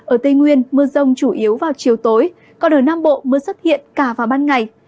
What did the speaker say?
ở tây nguyên mưa rông chủ yếu vào chiều tối còn ở nam bộ mưa xuất hiện cả vào ban ngày